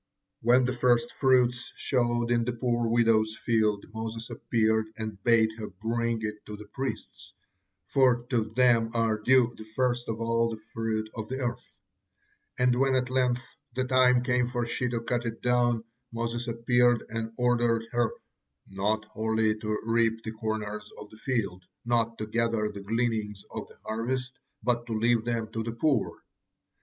When the first fruits showed in the poor widow's field, Moses appeared and bade her bring it to the priests, for to them are due 'the first of all the fruit of the earth'; and when at length the time came for he to cut it down, Moses appeared and ordered her 'not wholly to reap the corners of the field, not to gather the gleanings of the harvest, but to leave them for the poor.'